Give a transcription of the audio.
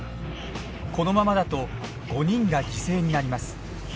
このままだと５人が犠牲になります。